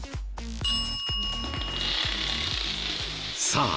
さあ